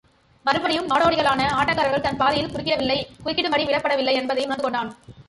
மறுபடியும், நாடோடிகளான ஆட்டக்காரர்கள் தன் பாதையில் குறுக்கிடவில்லை குறுக்கிடும்படி விடப்படவில்லை என்பதையும் உணர்ந்து கொண்டான்.